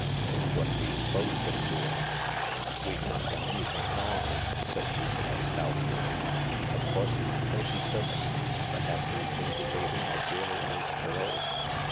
It's what we've both been doing." " We've not done anything wrong," said Lucilla stoutly. " Of course not— don't be silly I But have we been be having like really nice girls